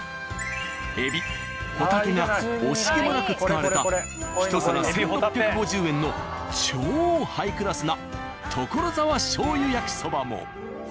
エビホタテが惜しげもなく使われたひと皿１、６５０円の超ハイクラスなところざわ醤油焼きそばも。